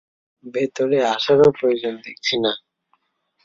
ভেতরে আসারও প্রয়োজন দেখছি না।